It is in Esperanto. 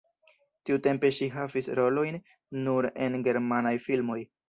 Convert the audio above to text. Tiutempe ŝi havis rolojn nur en germanaj filmoj.